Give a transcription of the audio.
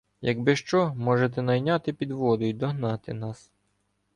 Якби що, можете найняти підводу й догнати нас.